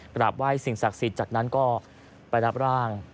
กราบไหว้สิ่งศักดิ์สิทธิ์จากนั้นก็ไปรับร่าง